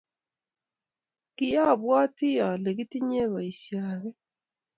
kiabwatii ale kitenyei boisie ake.